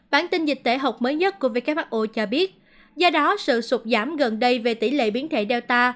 bản tin dịch tễ học mới nhất của who cho biết do đó sự sụt giảm gần đây về tỷ lệ biến thể data